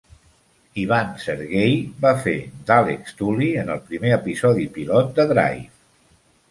Ivan Sergei va fer d'Alex Tully en el primer episodi pilot de "Drive".